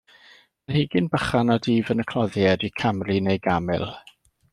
Planhigyn bychan a dyf yn y cloddiau ydy camri, neu gamil.